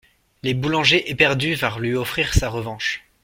Les boulangers éperdus vinrent lui offrir sa revanche.